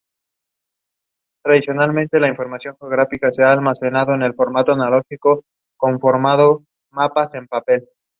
Fernando fue el hijo de Jacobo Kettler y Luisa Carlota de Brandeburgo.